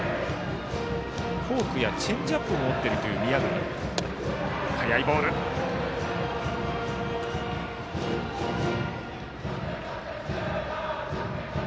フォークやチェンジアップを持っているという宮國です。